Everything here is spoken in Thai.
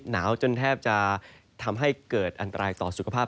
หนาวจนแทบจะทำให้เกิดอันตรายต่อสุขภาพ